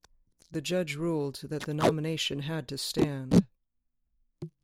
The Judge ruled that the nomination had to stand.